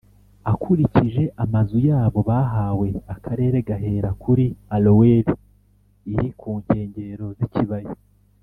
akurikije amazu yabo Bahawe akarere gahera kuri Aroweri iri ku nkengero z ikibaya